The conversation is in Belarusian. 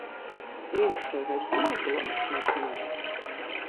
У іншыя гадзіны было нашмат меней.